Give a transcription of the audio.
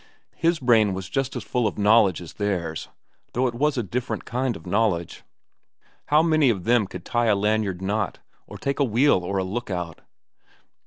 His brain was just as full of knowledge as theirs, though it was a different kind of knowledge. How many of them could tie a lanyard knot, or take a wheel or a lookout?